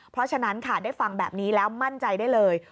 เพราะฉะนั้นค่ะได้ฟังแบบนี้แล้วมั่นใจได้เลย